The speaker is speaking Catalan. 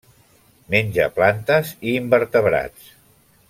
Menja plantes i invertebrats.